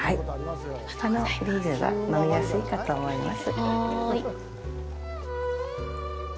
このビールは飲みやすいかと思います。